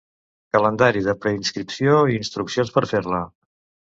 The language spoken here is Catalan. Calendari de preinscripció i instruccions per fer-la.